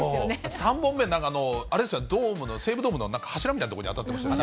３本目なんか、あれですよ、ドームの、西武ドームのなんか柱みたいなところに当たってましたよね。